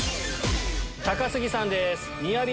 高杉さんです。